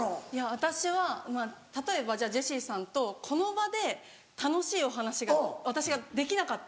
私はまぁ例えばじゃあジェシーさんとこの場で楽しいお話が私ができなかった。